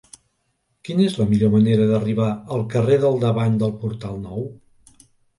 Quina és la millor manera d'arribar al carrer del Davant del Portal Nou?